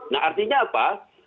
nah artinya apa